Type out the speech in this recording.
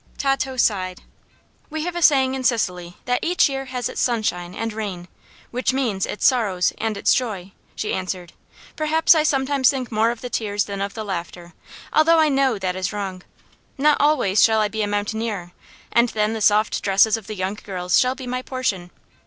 Tato sighed. "We have a saying in Sicily that 'each year has its sunshine and rain,' which means its sorrow and its joy," she answered. "Perhaps I sometimes think more of the tears than of the laughter, although I know that is wrong. Not always shall I be a mountaineer, and then the soft dresses of the young girls shall be my portion.